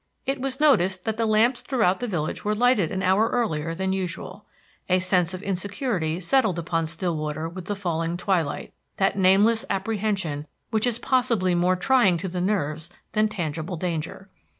It was noticed that the lamps throughout the village were lighted an hour earlier than usual. A sense of insecurity settled upon Stillwater with the falling twilight, that nameless apprehension which is possibly more trying to the nerves than tangible danger.